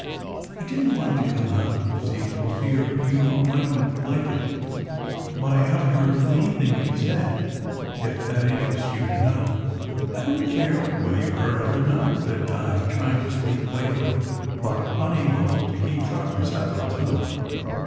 " I didn t like to come out, you see, for fear you mightn t like it; but I haven t heard anything you ve said, if that in terests you to know." "I don t care whether you ve heard or not," said Di, trying to speak playfully, but unable to keep sharpness out of her tone.